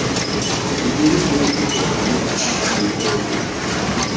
He pleaded guilty to a reduced charge of conspiracy.